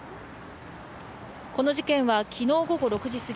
この事件は昨日午後６時すぎ